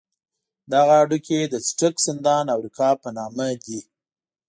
دغه هډوکي د څټک، سندان او رکاب په نامه دي.